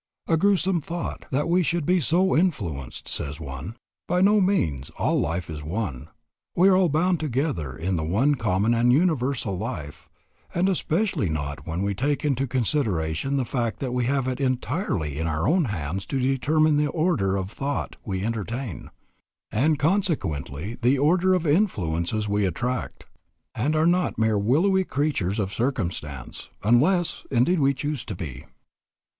A grewsome thought that we should be so influenced, says one. By no means, all life is one; we are all bound together in the one common and universal life, and especially not when we take into consideration the fact that we have it entirely in our own hands to determine the order of thought we entertain, and consequently the order of influences we attract, and are not mere willowy creatures of circumstance, unless indeed we choose to be.